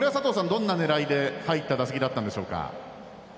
どんな狙いで入った打席だったんでしょうか？